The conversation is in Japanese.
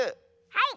はい！